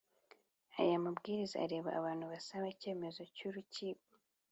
Aya Mabwiriza areba abantu basaba icyemezo cy’urukiko